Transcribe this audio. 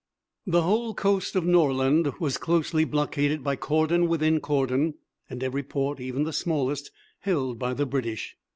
The whole coast of Norland was closely blockaded by cordon within cordon, and every port, even the smallest, held by the British.